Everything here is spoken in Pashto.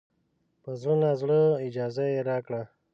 په زړه نازړه اجازه یې راکړه.